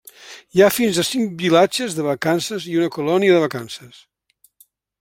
Hi ha fins a cinc vilatges de vacances i una colònia de vacances.